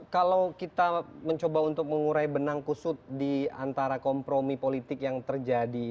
kalau kita mencoba untuk mengurai benang kusut di antara kompromi politik yang terjadi